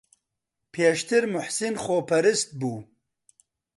پێشتر موحسین خۆپەرست بوو.